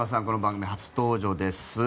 この番組初登場です。